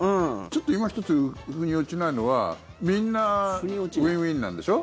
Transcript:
いま一つ腑に落ちないのはみんなウィンウィンなんでしょ？